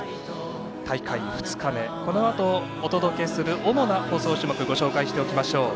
大会２日目このあとお届けする主な放送種目をご紹介しておきましょう。